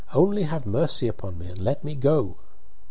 Only have mercy upon me, and let me go!"